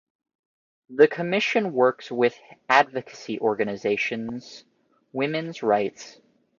The commission works with advocacy organizations women's rights.